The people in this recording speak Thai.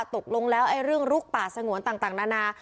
ตกลงแล้วเรื่องลุกป่าสงวนต่างนานา